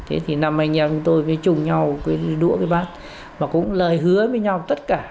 chúng tôi phải chung nhau đũa cây bát và cũng lời hứa với nhau tất cả